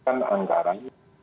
ada kemungkinan kegiatan